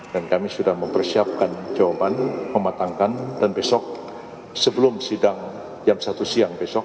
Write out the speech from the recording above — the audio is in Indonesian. dan kami sudah mempersiapkan jawaban mematangkan dan besok sebelum sidang jam satu siang besok